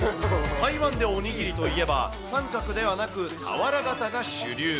台湾でおにぎりといえば、三角ではなく、俵形が主流。